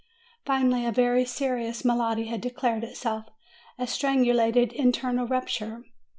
Finally, a very serious malady had declared itself, a strangulated internal rupture.